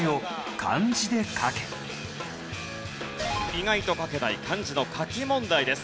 意外と書けない漢字の書き問題です。